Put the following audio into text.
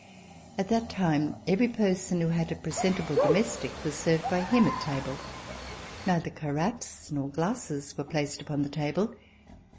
At that time every person who had a presentable domestic was served by him at table. Neither carafes nor glasses were placed upon the table.